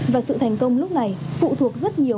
và sự thành công lúc này phụ thuộc rất nhiều